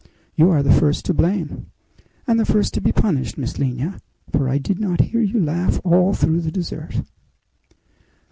"You are the first to blame!" "And the first to be punished, Miss Lina; for I did not hear you laugh all through the dessert."